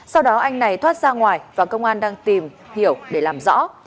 sau đó anh này thoát ra ngoài và công an đang tìm hiểu để làm rõ